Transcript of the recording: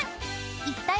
［いったい］